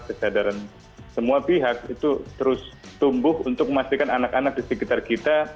kesadaran semua pihak itu terus tumbuh untuk memastikan anak anak di sekitar kita